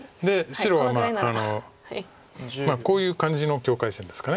白はこういう感じの境界線ですか。